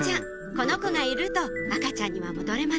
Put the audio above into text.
この子がいると赤ちゃんには戻れません